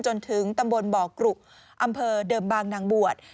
จนถึงตำบลบ่อกรุอำเภอเดิมบางนางบวช